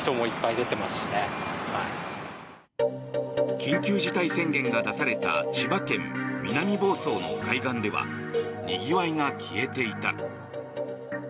緊急事態宣言が出された千葉県南房総の海岸ではにぎわいが消えていた。